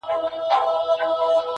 ماسومان ترې تېرېږي وېرېدلي ډېر,